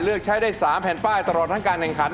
เลือกใช้ได้๓แผ่นป้ายตลอดทั้งการแข่งขัน